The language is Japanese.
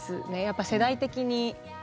やっぱ世代的に。